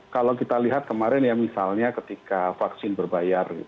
kalau kita lihat kemarin ya misalnya ketika vaksin berbayar